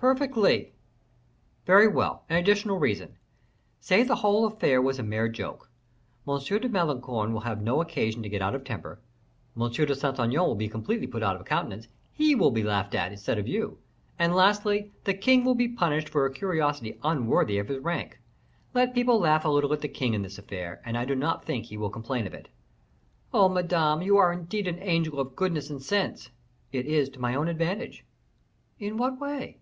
"Perfectly." "Very well, an additional reason. Say the whole affair was a mere joke. M. de Malicorne will have no occasion to get out of temper; M. de Saint Aignan will be completely put out of countenance; he will be laughed at instead of you; and lastly, the king will be punished for a curiosity unworthy of his rank. Let people laugh a little at the king in this affair, and I do not think he will complain of it." "Oh, Madame, you are indeed an angel of goodness and sense!" "It is to my own advantage." "In what way?"